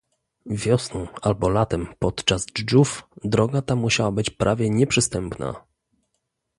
"Wiosną, albo latem, podczas dżdżów droga ta musiała być prawie nieprzystępna."